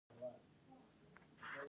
په خپلو کړنو کې اخلاص ولرئ.